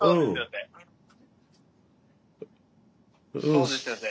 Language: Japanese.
そうですよね。